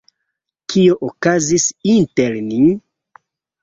Kio okazis inter ni?